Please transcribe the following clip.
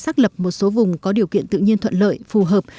xác lập một số vùng có điều kiện tự nhiên thuận lợi phù hợp